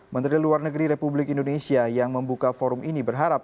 menteri luar negeri republik indonesia yang membuka forum ini berharap